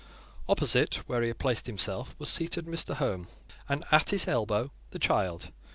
Opposite where he had placed himself was seated Mr. Home, and at his elbow, the child.